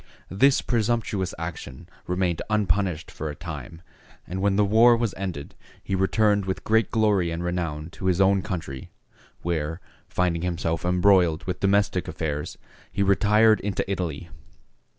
This presumptuous action remained unpunished for a time, and when the war was ended he returned with great glory and renown to his own country, where, finding himself embroiled with domestic affairs, he retired into Italy.